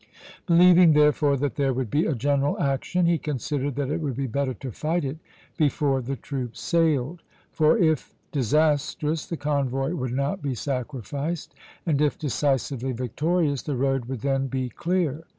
Believing therefore that there would be a general action, he considered that it would be better to fight it before the troops sailed; for if disastrous, the convoy would not be sacrificed, and if decisively victorious, the road would then be clear.